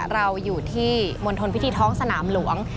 เราอยู่ที่มณฑลพิธีท้องสนามหลวง